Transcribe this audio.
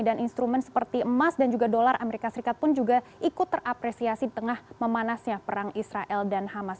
dan instrumen seperti emas dan juga dolar amerika serikat pun juga ikut terapresiasi di tengah memanasnya perang israel dan hamas